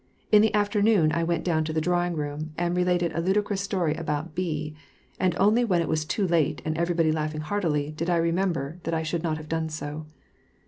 In the afternoon I went down to the drawing room and related a ludicrous story about B , and only when it was too late, and eversrbody laughing heartily, did I remember that I should not have done so.